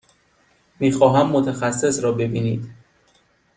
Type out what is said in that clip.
می خواهم متخصص را ببینید.